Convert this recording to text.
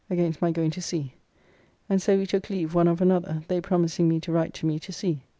] against my going to sea; and so we took leave one of another, they promising me to write to me to sea.